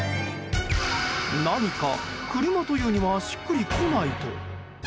何か、車というにはしっくりこないと。